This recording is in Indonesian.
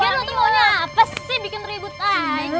lagi lo tuh maunya apa sih bikin tributan